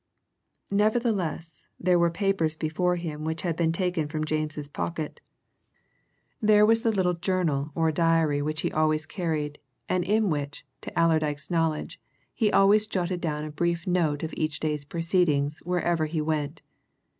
Nevertheless, there were papers before him which had been taken from James's pocket; there was the little journal or diary which he always carried, and in which, to Allerdyke's knowledge, he always jotted down a brief note of each day's proceedings wherever he went.